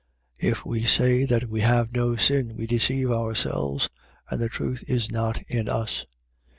1:8. If we say that we have no sin, we deceive ourselves and the truth is not in us.